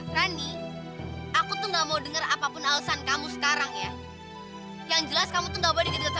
kau mau siti papalang juga kayak mama kamu kau mau celaka